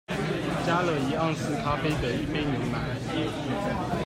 加了一盎司咖啡的一杯牛奶